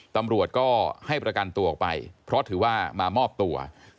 ตำรวจก็ให้ประกันตัวออกไปเพราะถือว่ามามอบตัว